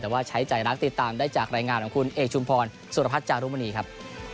แต่ว่าใช้ใจรักติดตามได้จากรายงานของคุณเอกชุมพรสุรพัฒน์จารุมณีครับ